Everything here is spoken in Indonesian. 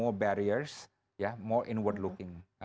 untuk lebih banyak baris lebih banyak pemandangan ke depan